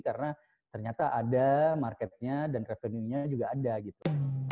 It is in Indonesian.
karena ternyata ada marketnya dan revenue nya juga ada gitu